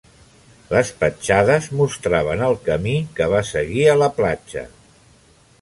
Les petjades mostraven el camí que va seguir a la platja.